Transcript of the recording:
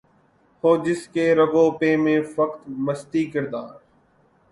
ہو جس کے رگ و پے میں فقط مستی کردار